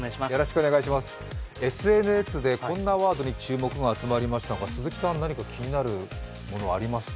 ＳＮＳでこんなワードに注目が集まりましたが鈴木さん、何か気になるものはありますか？